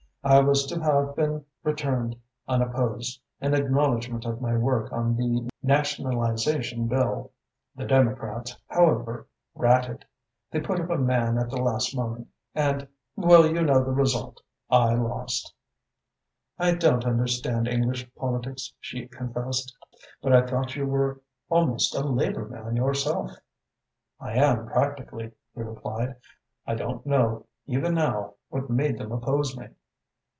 I was to have been returned unopposed, in acknowledgment of my work on the Nationalisation Bill. The Democrats, however, ratted. They put up a man at the last moment, and well, you know the result I lost." "I don't understand English politics," she confessed, "but I thought you were almost a Labour man yourself." "I am practically," he replied. "I don't know, even now, what made them oppose me."